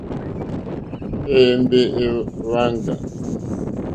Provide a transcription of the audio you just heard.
Éyěmbé é wáŋɡà.